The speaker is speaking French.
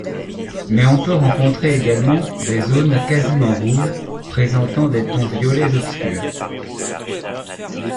Mais on peut rencontrer également des zones quasiment rouges présentant des tons violets obscurs.